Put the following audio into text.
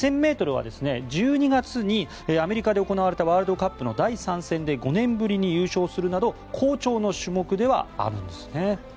１０００ｍは１２月にアメリカで行われたワールドカップの第３戦で５年ぶりに優勝するなど好調の種目ではあるんですね。